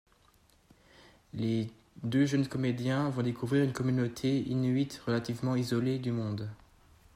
Les deux jeunes comédiens vont découvrir une communauté inuit relativement isolée du monde.